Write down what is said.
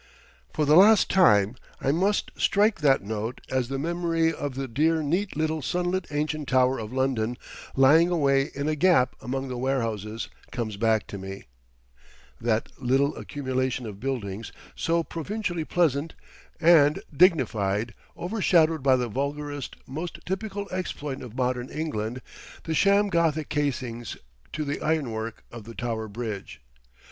For the last time I must strike that note as the memory of the dear neat little sunlit ancient Tower of London lying away in a gap among the warehouses comes back to me, that little accumulation of buildings so provincially pleasant and dignified, overshadowed by the vulgarest, most typical exploit of modern England, the sham Gothic casings to the ironwork of the Tower Bridge.